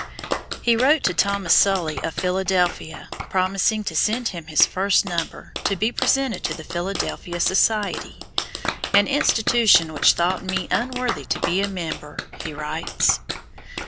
He wrote to Thomas Sully of Philadelphia, promising to send him his first number, to be presented to the Philadelphia Society "an institution which thought me unworthy to be a member," he writes.